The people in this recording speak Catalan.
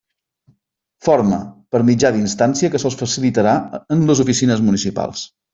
Forma: per mitjà d'instància que se'ls facilitarà en les oficines municipals.